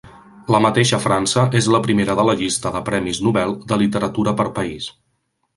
La mateixa França és la primera de la llista de premis Nobel de literatura per país.